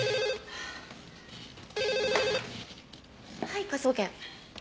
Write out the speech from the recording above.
はい科捜研。